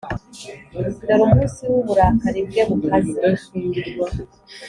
dore umunsi w’uburakari bwe bukaze.